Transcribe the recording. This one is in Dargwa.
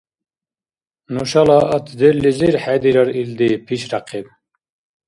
— Нушала отделлизир хӀедирар илди, — пишряхъиб.